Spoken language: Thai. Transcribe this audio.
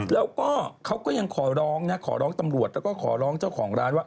แล้วก็เขาก็ยังขอร้องนะขอร้องตำรวจแล้วก็ขอร้องเจ้าของร้านว่า